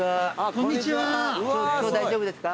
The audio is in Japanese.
今日大丈夫ですか？